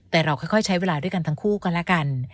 แต่เราค่อยใช้เวลาด้วยกันทั้งคู่ก็แล้วกัน